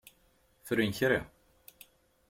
Fren kra.